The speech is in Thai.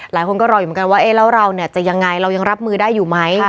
หลายคนก็รออยู่เหมือนกันว่าเอ๊ะแล้วเราเนี่ยจะยังไงเรายังรับมือได้อยู่ไหม